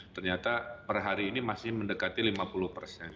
ternyata per hari ini masih mendekati lima puluh persen